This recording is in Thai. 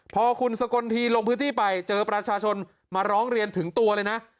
พอคุณสกลทีลงพื้นที่ไปเจอประชาชนมาร้องเรียนถึงตัวเลยนะ